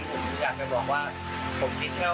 ก็คืออยากได้โอกาสอีกสักครั้งหนึ่ง